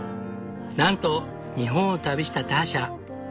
なんと日本を旅したターシャ。